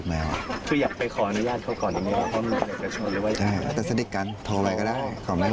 แล้วยังมีจุดไหนบื้มยังสงสัยแล้วยังไม่ได้ไปมีครับมีก็